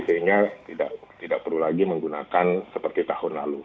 sehingga tidak perlu lagi menggunakan seperti tahun lalu